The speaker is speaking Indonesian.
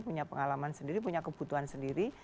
punya pengalaman sendiri punya kebutuhan sendiri